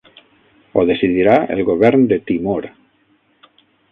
Ho decidirà el Govern de Timor.